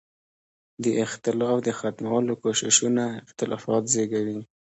د اختلاف د ختمولو کوششونه اختلافات زېږوي.